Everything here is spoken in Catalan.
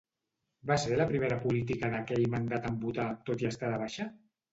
Va ser la primera política d'aquell mandat en votar, tot i estar de baixa?